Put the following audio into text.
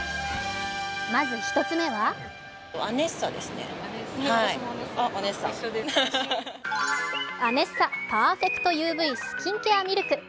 まず１つ目はアネッサパーフェクトＵＶスキンケアミルク。